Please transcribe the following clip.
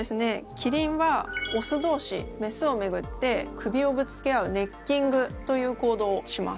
キリンはオス同士メスをめぐって首をぶつけ合うネッキングという行動をします。